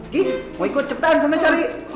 ki mau ikut cepetan santai cari